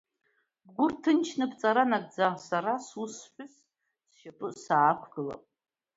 Бгәы рҭынчны бҵара нагӡа, сара сус-сҳәыс сшьапы саақәгылап.